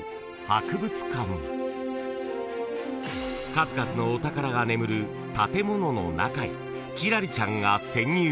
［数々のお宝が眠る建物の中へ輝星ちゃんが］